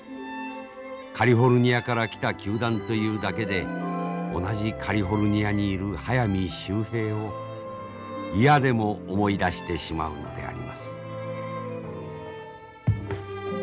カリフォルニアから来た球団というだけで同じカリフォルニアにいる速水秀平を嫌でも思い出してしまうのであります。